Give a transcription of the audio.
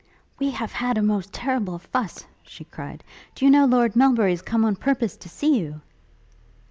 'We have had a most terrible fuss:' she cried; 'Do you know Lord Melbury's come on purpose to see you!'